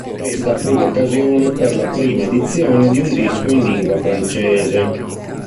Questa fu l'occasione per la prima edizione di un disco in lingua francese.